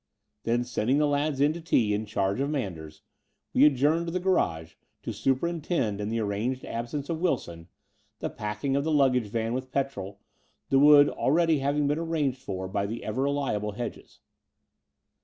Then, sending the lads in to tea in charge of Manders, we adjourned to the garage to super intend, in the arranged absence of Wilson, the packing of the luggage van with petrol, the wood already having been arranged for by the ever reliable Hedges.